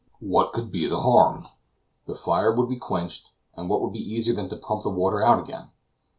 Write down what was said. What could be the harm? The fire would be quenched; and what would be easier than to pump the water out again?"